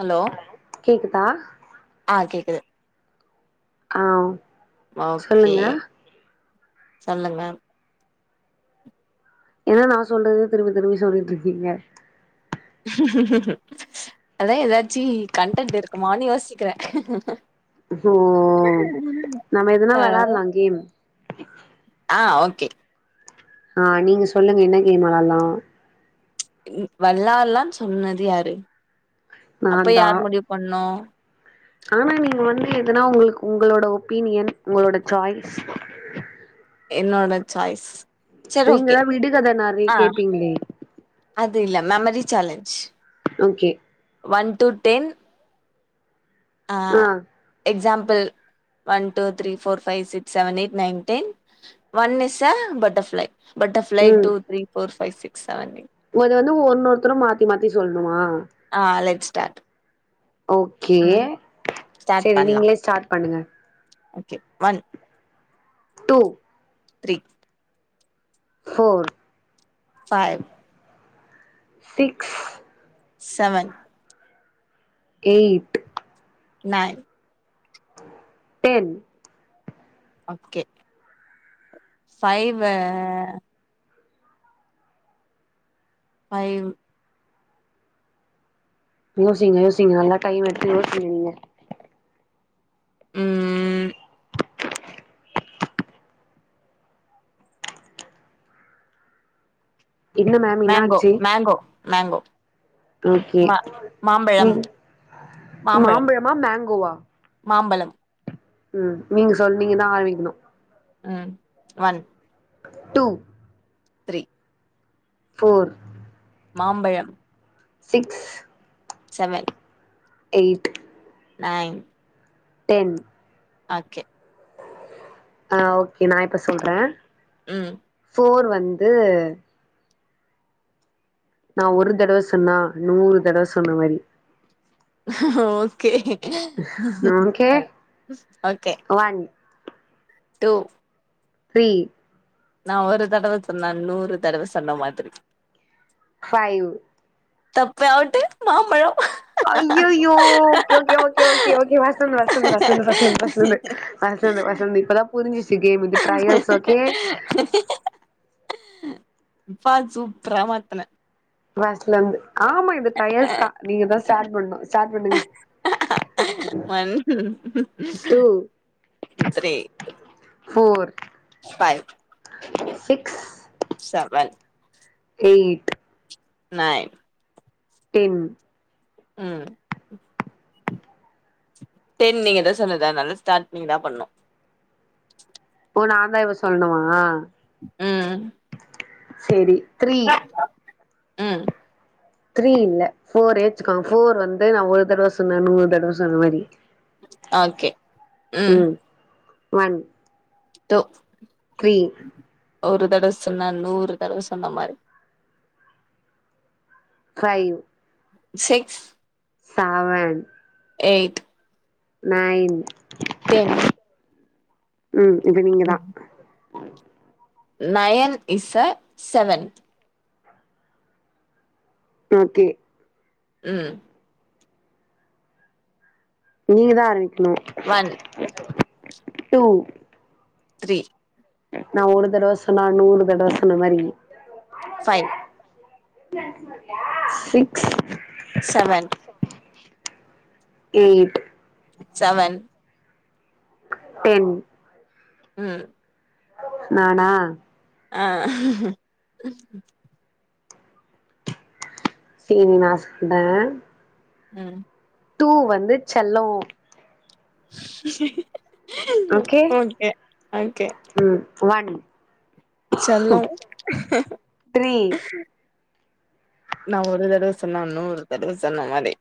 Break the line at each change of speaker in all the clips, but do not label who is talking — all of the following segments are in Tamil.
ஹலோ
கேக்குதா
ஆ கேக்குது
ஆ
ஓகே
சொல்லுங்க
சொல்லுங்க
என்ன நா சொல்றது திரும்பி திரும்பி சொல்லிட் இருக்கீங்க
அதா ஏதாச்சி கன்டன்ட் இருக்குமானு யோசிக்கிறே
ம் நம்ம எதுனா
ஆ
வெளால்லாம் கேம்
ஆ ஓகே
ஆ நீங்க சொல்லுங்க என்ன கேம் வெளால்லா
ன் வள்ளால்லான் சொன்னது யாரு அப்ப
நான்தா
யார் முடிவு பண்ணு
ஆனா நீங்க வந்து எதனா உங்குளுக் உங்களோட ஒப்பீனியன் உங்களோட சாய்ஸ்
என்னோட சாய்ஸ் சரி ஓகே
நீங்கதா விடுகத நெறைய
ஆ
கேப்பீங்ளே
அது இல்ல memory challenge
okay
one two ten அ
ஆ
example one two three four five six seven eight nine ten one is a butterfly butterfly two three four five six seven eight
ஒத வந்து ஒன்னொருத்தரும் மாத்தி மாத்தி சொல்ணுமா
ஆ லெட்ஸ் ஸ்டார்ட்
ஓகே
ம் ஸ்டார்ட்
செரி
பண்லா
நீங்களே ஸ்டார்ட் பண்ணுங்க
okay one
two
three
four
five
six
seven
eight
nine
ten
okay ஃபைவே ஃபைவ்
யோசிங்க யோசிங்க நல்லா டைம் எடுத்து யோசிங்க நீங்க
ம்
என்ன மேம்
மேங்கோ
என்னாச்சு
மேங்கோ மேங்கோ
ஓகே
மா மாம்பழம்
ம்
மாம்பழம்
மாம்பழமா மேங்கோவா
மாம்பழம்
ம் நீங்க சொல் நீங்கதா ஆரம்பிக்கணு
ம் ஒன்
டூ
த்ரீ
ஃபோர்
மாம்பழம்
six
seven
eight
nine
ten
ஆக்கே
அ ஓகே நா இப்ப சொல்றே
ம்
ஃபோர் வந்து நா ஒரு தடவ சொன்னா நூறு தடவ சொன்ன மாரி
okay
okay
okay
one
two
three
நா ஒரு தடவ சொன்னா நூறு தடவ சொன்ன மாதிரி
ஃபைவ்
தப்பு அவுட்டு மாம்பழ
ஐயையோ okay okay okay okay okay ஃபர்ஸ்ட்லருந்து ஃபர்ஸ்ட்லருந்து ஃபர்ஸ்ட்லருந்து ஃபர்ஸ்ட்லருந்து ஃபர்ஸ்ட்லருந்து அடுத்தது ஃபர்ஸ்ட்லருந்து இப்பதா புரிஞ்சிச்சு கேமு இது ட்ரயல்ஸ் ஓகே
ப்பா சூப்ரா மாத்தன
ஃபர்ஸ்ட்ல இருந்து ஆமா இது ட்ரயல்ஸ்தா நீங்கதா ஸ்டார்ட் பண்ணு ஸ்டார்ட் பண்ணுங்க
one
two
three
four
five
six
seven
eight
nine
ten
ம் டென் நீங்கதா சொன்னது அதனால ஸ்டார்ட் நீங்கதா பண்ணு
ஓ நாதா இப்ப சொல்னுமா
ம்
சேரி த்ரீ
ம்
த்ரீ இல்ல ஃபோரே வச்சுக்கோங்க ஃபோர் வந்து நா ஒரு தடவ சொன்னா நூறு தடவ சொன்ன மாரி
ஓகே ம்
ஒன்
டு
த்ரீ
ஒரு தடவ சொன்னா நூறு தடவ சொன்னா மாரி
five
six
seven
eight
nine
ten
ம் இது நீங்கதா
nine is a seven
okay
ம்
நீங்கதா ஆரம்பிக்கணு டு
த்ரி
நா ஒரு தடவ சொன்னா நூறு தடவ சொன்ன மாரி six
seven
eight
seven
ten
ம்
நானா
ஆ
சேரி நா சொல்டே
ம்
டூ வந்து செல்லோ
ஓகே ஓகே
ம் வொன்
செல்லோ
த்ரீ
நா ஒரு தடவ சொன்னா நூறு தடவ சொன்ன மாரி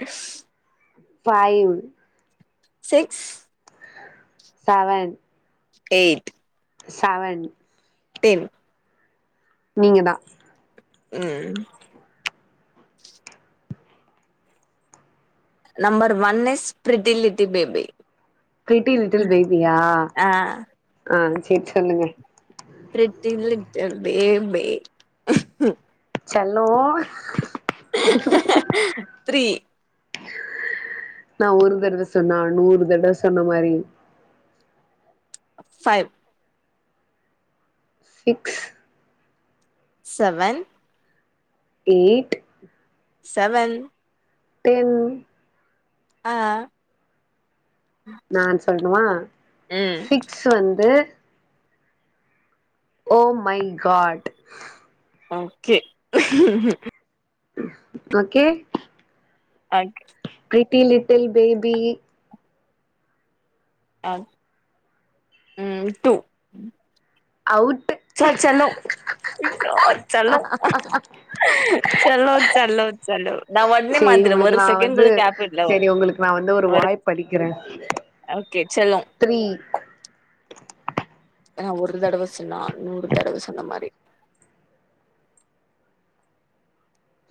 டிஸ்
five
six
seven
eight
seven
ten
நீங்க தா
ம் number one is pretty little baby
pretty little பேபியா
ஆ
ஆ சேர் சொல்லுங்க
ப்ரீட்டி லிட்டில் பேபி
செல்லோ
த்ரீ
நா ஒரு தடவ சொன்னா நூறு தடவ சொன்ன மாரி
five
six
seven
eight
seven
ten
ஆ
நான் சொல்லணுமா
ம்
சிக்ஸ் வந்து oh my God
okay
okay
அக்
பிரீட்டி லிட்டில் பேபி
ஆ ம் டூ
அவுட்டு
சார் செல்லோ செல்லோ செல்லோ செல்லோ செல்லோ நா ஒட்னே மாத்திட ஒரு செகண்ட் கூட கேப் விடல
செரி உங்குளுக்கு நா வந்து ஒரு வாய்ப்பு அடிக்கிறே
அவுகே செல்லோ
த்ரீ
ஏங்க ஒரு தடவ சொன்னா நூறு தடவ சொன்ன மாரி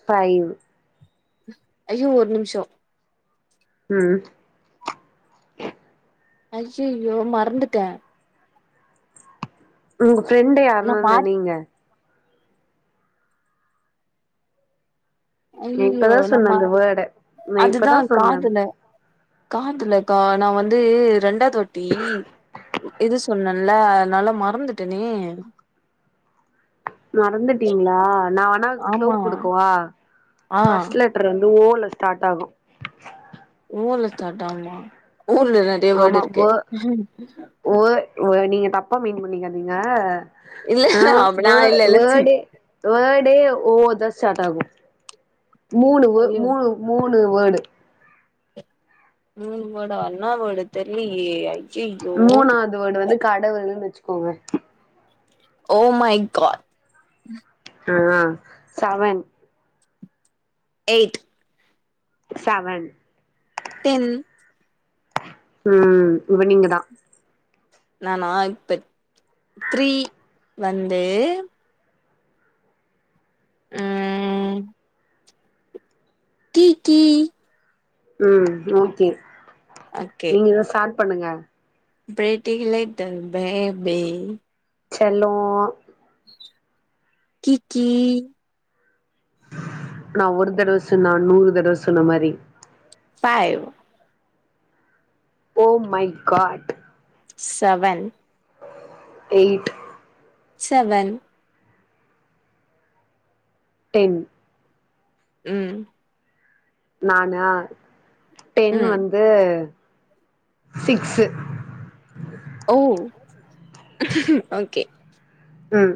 ஃபைவ்
ஐயோ ஒரு நிமிஷோ
ம்
ஐயயோ மறந்துட்டே
உங்க ஃப்ரெண்ட
நா
யாருனா
மா
நினைங்க நா
ஐயையோ
இப்பதா
நா
சொன்னே
ம
அந்த வேர்ட நா
அதுதா
இப்பதா சொன்னே
காதுல காதுலக்கா நா வந்து ரெண்டாவ்து வாட்டி இது சொன்னேன்ல அதனால மறந்துட்டனே
மறந்துட்டீங்களா நா வேணா க்லு
ஆமா
குடுக்குவா
ஆ
ஃபஸ்ட் லெட் லெட்டர் வந்து ஓ ல ஸ்டார்ட் ஆகு
ஓ ல சாட் ஆகுமா ஓ ல நறைய வர்டு
ஆமா
இருக்கே
வே ஓ ஓ நீங்க தப்பா மீன் பண்ணிக்காதிங்க
இல்ல
ஆ
அப்ப நா
வ
இல்ல இல்ல சி
வர்டே வேர்டே ஓலத சாட் ஆகு மூணு
ஐயோ
மூணு மூணு வேர்டு
மூனு வர்டா என வர்டு தெரிலயே
மூணாவது வேர்டு வந்து கடவுள்ன்னு வச்சுக்கோங்க
ஓ மை காட்
ஆ சவன்
எய்ட்
சவன்
டென்
ம் இப்ப நீங்க தா
நானா இப்ப த்ரீ வந்து ஆ கி கி
ம் ஓகே நீங்க தா ஸ்டார்ட் பண்ணுங்க
பிரிட்டில் லிட்டல் பேபி
செல்லோ
கி கி
நா ஒரு தடவ சொன்னா நூறு தடவ சொன்ன மாரி
five
oh my god
seven
eight
seven
ten
ம்
நானா டென்
ம்
வந்து சிக்ஸு
ஓ ஓகே
உம்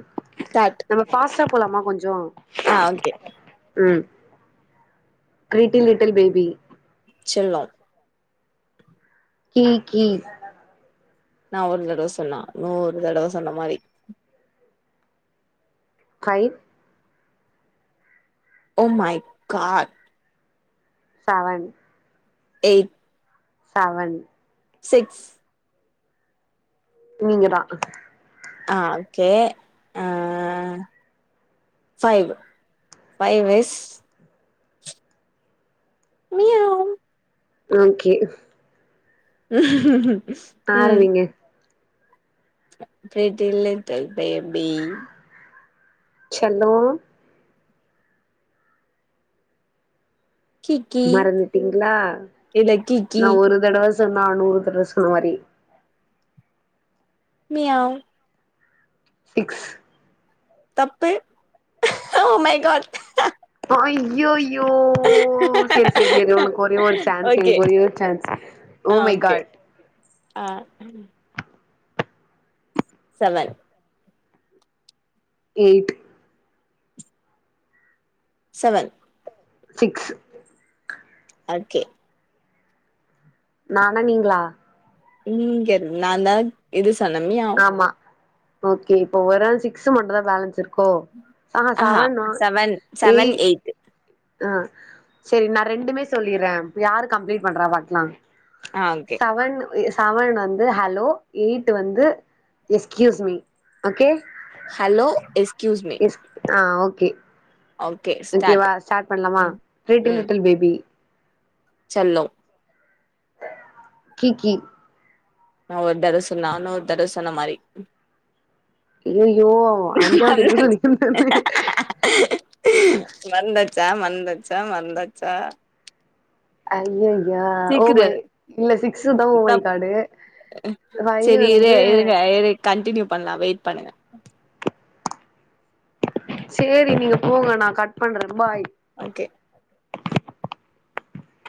ச்டார்ட்
நம்ம ஃபாஸ்டா போலாமா கொஞ்சோ
ஆ ஓகே
உம் பிரீட்டி லிட்டில் பேபி
செல்லோ
கிகி
நா ஒரு தடவ சொன்னா நூறு தடவ சொன்ன மாரி
five
oh my god
seven
eight
seven
six
நீங்கதா
ஆ ஓகே ஆ five five S meow
okay ஆரம்பிங்க
ப்ரிட்டி லிட்டில் பேபி
செல்லோ
கிக்கி
மறந்துட்டீங்களா
இல்ல கிக்கி
நா ஒரு தடவை சொன்னா நூறு தடவை சொன்ன மாரி
மியாவ்
சிக்ஸ்
தப்பு ஓ மை காட்
அய் அய் யோ ஓ சரி சரி சரி உனக்கு ஒரே ஒரு சான்ஸ்
ஓகே
ஒரே ஒரு சான்ஸ்
ஆ
ஓ மை
ஓகே
காட்
ஆ seven
eight
seven
six
okay
நானா நீங்களா
நீங்க நான்தா இது சொன்னே மியாவ்
ஆமா ஓகே இப்ப ஓவர் ஆல் சிக்ஸ் மட்டு தா பேலன்ஸ் இருக் கோ ஆஹா செவன் நா எயிட் ஆ சரி நா ரெண்டுமே சொல்லிறே யாரு கம்ப்ளீட் பண்றா பாக்கலா
ஆ ஓகே
செவன் செவன் வந்து ஹலோ எயிட் வந்து excuse me okay
hello excuse me
yes ஆ ஓகே ஓகேவா ஸ்டார்ட் பண்லாமா
ம்
லிட்டில்
ம்
லிட்டில் பேபி
செல்லோ
கீ கீ
நா ஒரு தடவ சொன்னா நூறு தடவ சொன்ன மாரி
அய்யயோ அஞ்சாவது [unintelligible]
மறந்தாச்சா மறந்தாச்சா மறந்தாச்சா
ஐயஐயா
சீக்கிர
ஓமை இல்ல சிக்ஸு தா ஓமை
தப்
காடு ஃபைவ் வந்து
கன்டினியூ பண்லா வெயிட் பண்ணுங்க
சேரி நீங்க போங்க நா கட் பண்றே பாய்
ஓகே